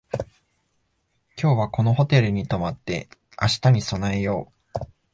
今日はこのホテルに泊まって明日に備えよう